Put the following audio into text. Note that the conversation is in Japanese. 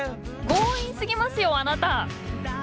強引すぎますよあなた！